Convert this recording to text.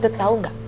tut tau nggak